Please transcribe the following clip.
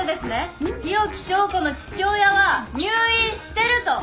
日置昭子の父親は入院してると。